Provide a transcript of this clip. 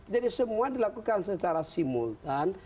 semua dilakukan secara simultan